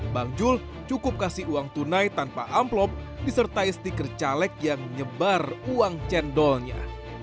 bang jul cukup kasih uang tunai tanpa amplop disertai stiker caleg yang nyebar uang cendolnya